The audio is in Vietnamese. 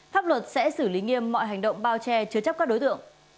pháp luật sẽ xử lý nghiêm mọi hành động bao che chứa chấp các đối tượng